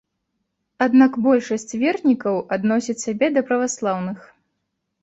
Аднак большасць вернікаў адносяць сябе да праваслаўных.